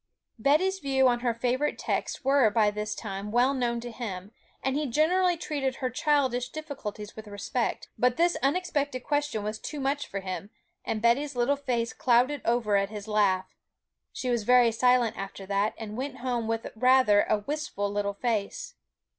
Betty's views on her favourite text were by this time well known to him; and he generally treated her childish difficulties with respect; but this unexpected question was too much for him, and Betty's little face clouded over at his laugh. She was very silent after that, and went home with rather a wistful little face.